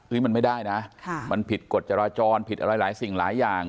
มันไม่ได้นะมันผิดกฎจราจรผิดอะไรหลายสิ่งหลายอย่าง